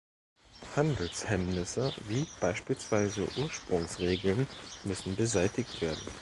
Handelshemmnisse wie beispielsweise Ursprungsregeln müssen beseitigt werden.